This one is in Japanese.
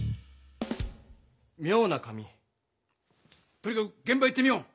とにかくげん場行ってみよう。